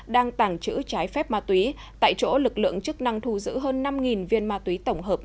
đang tàng trữ trái phép ma túy tại chỗ lực lượng chức năng thu giữ hơn năm viên ma túy tổng hợp